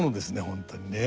本当にね。